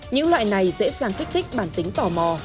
những loại này dễ dàng kích thích bản tính tò mò